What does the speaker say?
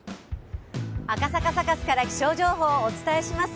赤坂サカスから気象情報をお伝えします。